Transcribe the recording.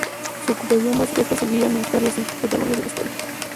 Su ocupación básica es perseguir y amenazar a las cinco protagonistas de la historia.